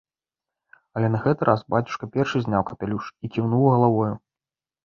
Але на гэты раз бацюшка першы зняў капялюш і кіўнуў галавою.